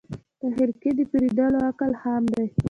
د خرقې د پېرودلو عقل خام دی